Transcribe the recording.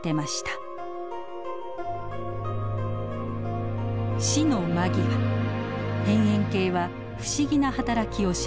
死の間際辺縁系は不思議な働きをします。